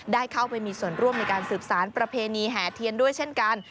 ได้เข้าไปมีส่วนร่วมในการสืบสารประเพณีแห่เทียนด้วยเช่นกัน